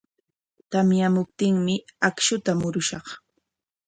Tamyamuptinmi akshuta murushaq.